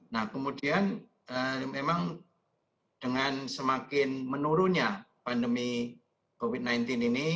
nah kemudian memang dengan semakin menurunnya pandemi covid sembilan belas ini